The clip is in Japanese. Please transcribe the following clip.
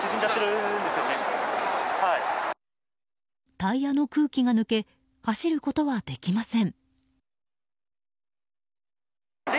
タイヤの空気が抜け走ることはできません。